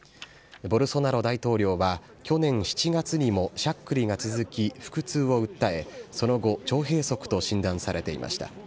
ボルソナロ大統領は、去年７月にもしゃっくりが続き腹痛を訴え、その後、腸閉塞と診断されていました。